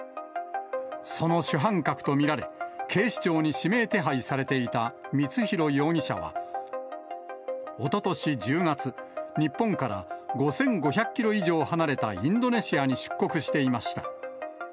その主犯格と見られ、警視庁に指名手配されていた光弘容疑者は、おととし１０月、日本から５５００キロ以上離れたインドネシアに出国していました。